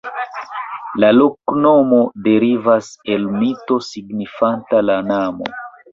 La loknomo derivas el mito signifanta "la nano".